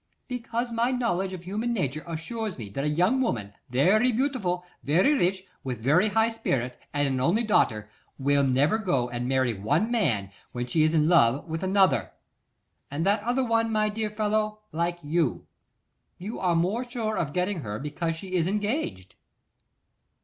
'Because my knowledge of human nature assures me that a young woman, very beautiful, very rich, with a very high spirit, and an only daughter, will never go and marry one man when she is in love with another, and that other one, my dear fellow, like you. You are more sure of getting her because she is engaged.